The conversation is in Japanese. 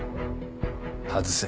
外せ。